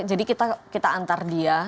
jadi kita antar dia